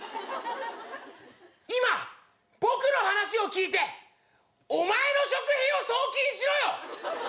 今僕の話を聞いて「お前の食費を送金しろよ」